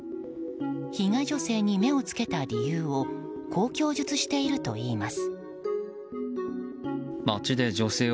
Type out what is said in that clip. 被害女性に目を付けた理由をこう供述しているといいます。